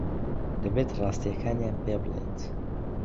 دەبێت ڕاستییەکانیان پێ بڵێیت.